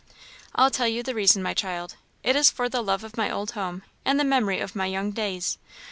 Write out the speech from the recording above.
"I'll tell you the reason, my child. It is for the love of my old home, and the memory of my young days.